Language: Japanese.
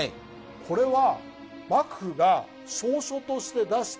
これは。